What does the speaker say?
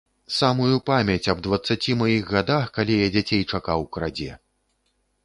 Самую памяць аб дваццаці маіх гадах, калі я дзяцей чакаў, крадзе!